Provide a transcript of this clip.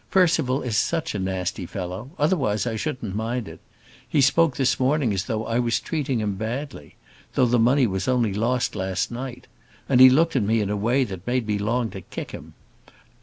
Percival is such a nasty fellow, otherwise I shouldn't mind it. He spoke this morning as though I was treating him badly, though the money was only lost last night; and he looked at me in a way that made me long to kick him.